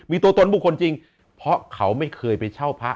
มีตัวตนบุคคลจริงเพราะเขาไม่เคยไปเช่าพระ